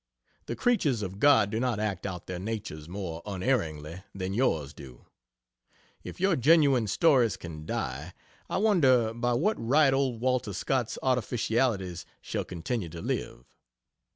The creatures of God do not act out their natures more unerringly than yours do. If your genuine stories can die, I wonder by what right old Walter Scott's artificialities shall continue to live.